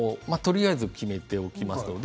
とりあえず決めておきます。